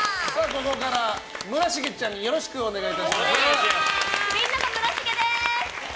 ここから村重ちゃんよろしくお願いいたします。